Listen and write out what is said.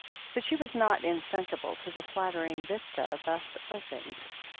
But she was not insensible to the flattering vista thus opened.